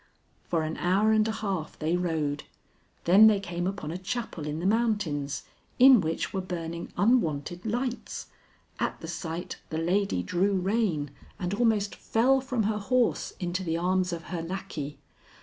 For an hour and a half they rode; then they came upon a chapel in the mountains, in which were burning unwonted lights. At the sight the lady drew rein and almost fell from her horse into the arms of her lackey.